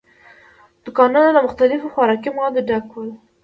دوکانونه له مختلفو خوراکي موادو ډک ول.